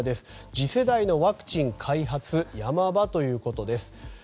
次世代のワクチン開発山場ということです。